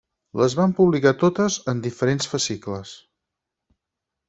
Les van publicar totes, en diferents fascicles.